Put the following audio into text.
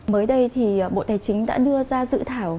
mới đây thì bộ tài chính đã đưa ra dự thảo